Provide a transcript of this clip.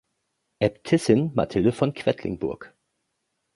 Äbtissin Mathilde von Quedlinburg.